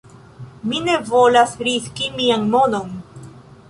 "Mi ne volas riski mian monon"